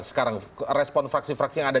sekarang respon fraksi fraksi yang ada